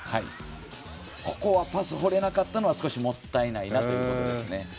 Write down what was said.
ここはパスを放れなかったのは少しもったいないところです。